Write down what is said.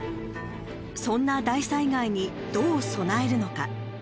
そんな大災害に、どう備えるのか。